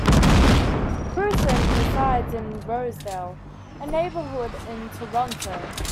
Crewson resides in Rosedale, a neighbourhood in Toronto.